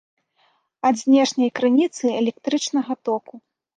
Ад знешняй крыніцы электрычнага току